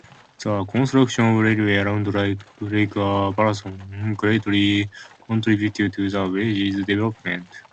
The construction of a railway around Lake Balaton greatly contributed to the village's development.